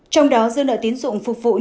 trong đó dư nợ tiến dụng phục vụ nhu cầu